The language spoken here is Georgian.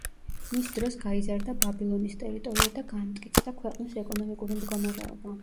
მის დროს გაიზარდა ბაბილონის ტერიტორია და განმტკიცდა ქვეყნის ეკონომიკური მდგომარეობა.